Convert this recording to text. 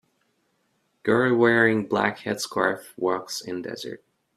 Girl wearing black headscarf walks in desert